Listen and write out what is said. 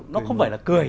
nó không phải là cười